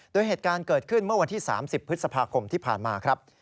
โดยเหตุการณ์เกิดขึ้นเมื่อวันที่๓๐พฤษภาคมที่ผ่านมาครับ